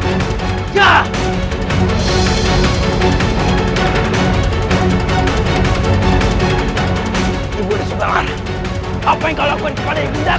engkau apa yang kau lakukan kepada ibunda aku